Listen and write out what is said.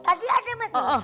tadi ada met